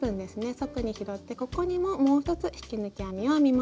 束に拾ってここにももう一つ引き抜き編みを編みます。